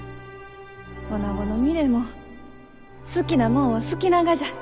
おなごの身でも好きなもんは好きながじゃ。